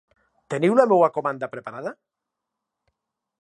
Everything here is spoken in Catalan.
Teniu la meva comanda preparada?